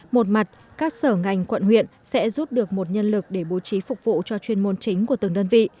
một mặt các sở ngành quận huyện sẽ rút được một nhân lực để bố trí phục vụ cho chuyên môn chính của từng đơn vị